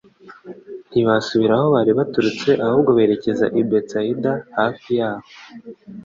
Ntibasubira aho bari baturutse ahubwo berekeza i Betsaida hafi y'aho